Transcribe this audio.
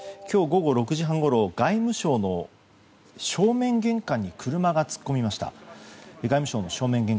今日午後６時半ごろ外務省の正面玄関に車が突っ込みました。